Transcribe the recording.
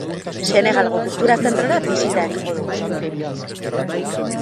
Senegalgo kultura zentrora bisita egingo dugu.